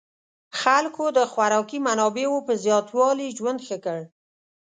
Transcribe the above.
خلکو د خوراکي منابعو په زیاتوالي ژوند ښه کړ.